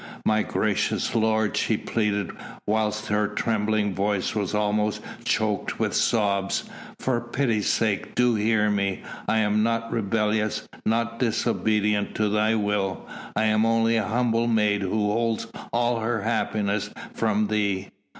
"My gracious lord," she pleaded, whilst her trembling voice was almost choked with sobs, "for pity's sake do hear me! I am not rebellious, nor disobedient to thy will! I am only a humble maid who holds all her happiness from thee!